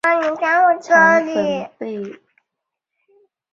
长叶粉背青冈为壳斗科青冈属下的一个种。